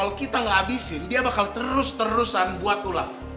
kalau kita gak abisin dia bakal terus terusan buat ulam